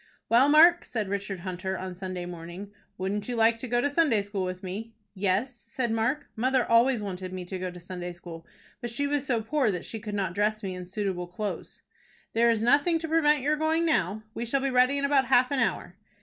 "Well, Mark," said Richard Hunter, on Sunday morning, "wouldn't you like to go to Sunday school with me?" "Yes," said Mark. "Mother always wanted me to go to Sunday school, but she was so poor that she could not dress me in suitable clothes." "There is nothing to prevent your going now. We shall be ready in about half an hour."